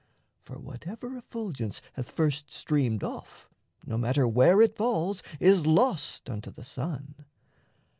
For whatever effulgence Hath first streamed off, no matter where it falls, Is lost unto the sun.